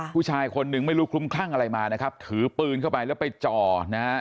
ผู้ชายคนนึงไม่รู้คลุ้มคลั่งอะไรมานะครับถือปืนเข้าไปแล้วไปจ่อนะฮะ